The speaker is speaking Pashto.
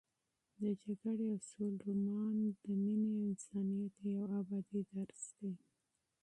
د جګړې او سولې رومان د مینې او انسانیت یو ابدي درس دی.